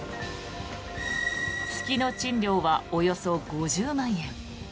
月の賃料はおよそ５０万円。